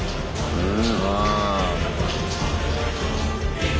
うん。